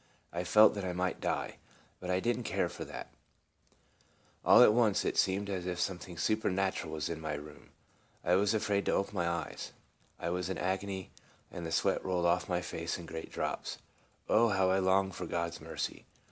I felt that I might die, but I did n't care for that All at once it seemed as if something su pernatural was in my room. I was afraid to open my eyes. I was in an agony, and the sweat rolled off my face in great drops. Oh, how I longed for God's mercy!